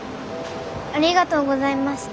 ありがとうございます。